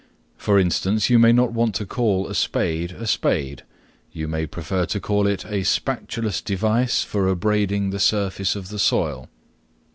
For instance, you may not want to call a spade a spade. You may prefer to call it a spatulous device for abrading the surface of the soil.